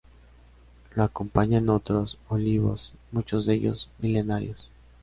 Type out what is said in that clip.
Lo acompañan otros olivos, muchos de ellos milenarios.